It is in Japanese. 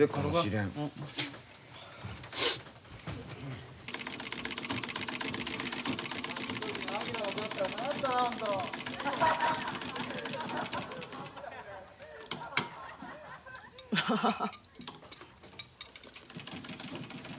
・アハハハ。